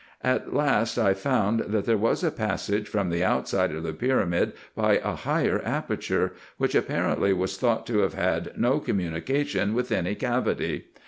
At last I found, that there was a passage from the outside of the pyramid by a higher aperture, which ap parently was thought to have had no communication with any cavity.